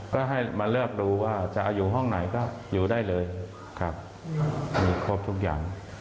ก็ให้มาเลือกดูว่าจะอยู่ห้องไหนก็อยู่ได้เลยครับมีครบทุกอย่าง